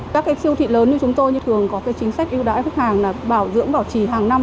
các cái siêu thị lớn như chúng tôi thường có chính sách ưu đãi khách hàng là bảo dưỡng bảo trì hàng năm